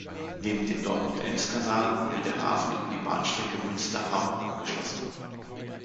Neben dem Dortmund-Ems-Kanal wurde der Hafen über die Bahnstrecke Münster–Hamm angeschlossen.